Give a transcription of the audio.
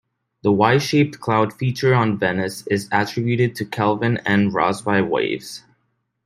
The Y-shaped cloud feature on Venus is attributed to Kelvin and Rossby waves.